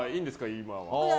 今は。